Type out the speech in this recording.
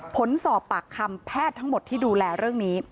ผลสอบปากคำแพทย์ทั้งหมดที่ดูแลเรื่องนี้